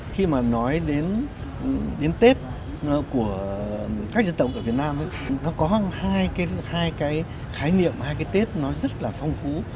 khi mà nói đến tết của các dân tộc ở việt nam nó có hai cái khái niệm hai cái tết nó rất là phong phú